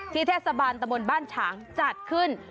ที่เทศบาลตำบลบ้านฉางจัดขึ้น